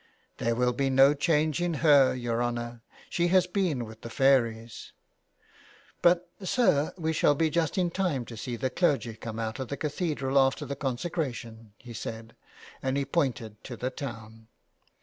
''There will be no change in her, your honour. She has been with the fairies. But, sir, we shall be just in time to see the clergy come out of the cathedral after the consecration/' he said, and he pointed to the town.